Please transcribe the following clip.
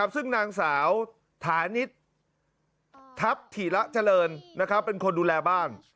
ซึ่งนางสาวถานิดทัพถิระเจริญเป็นคนดูแลบ้าน